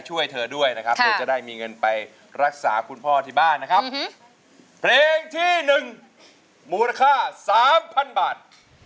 ค่ะจะได้มีเงินไปรักษาคุณพ่อที่บ้านนะครับเพลงที่หนึ่งหมูราค่าสามพันบาท